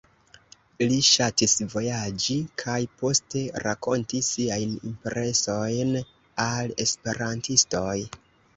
Li ŝatis vojaĝi kaj poste rakonti siajn impresojn al esperantistoj.